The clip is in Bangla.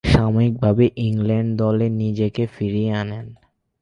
সাময়িকভাবে ইংল্যান্ড দলে নিজেকে ফিরিয়ে আনেন।